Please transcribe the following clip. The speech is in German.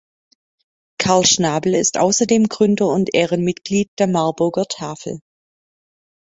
Karl Schnabel ist außerdem Gründer und Ehrenmitglied der Marburger Tafel.